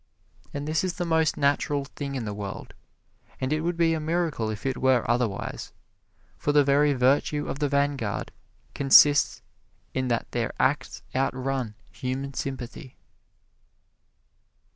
And this is the most natural thing in the world, and it would be a miracle if it were otherwise, for the very virtue of the vanguard consists in that their acts outrun human sympathy.